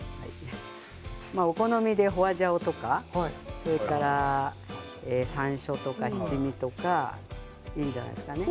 お好みでホワジャオとかさんしょうとか、七味とかいいんじゃないでしょうかね。